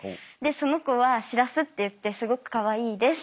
その子はシラスっていってすごくかわいいです。